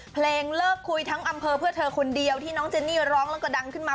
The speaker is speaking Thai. เพลงเลิกคุยทั้งอำเภอเพื่อเธอคนเดียวที่น้องเจนนี่ร้องแล้วก็ดังขึ้นมา